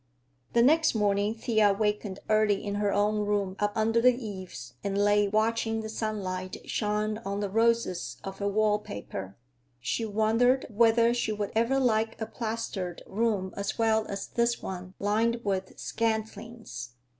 The next morning Thea wakened early in her own room up under the eaves and lay watching the sunlight shine on the roses of her wall paper. She wondered whether she would ever like a plastered room as well as this one lined with scantlings.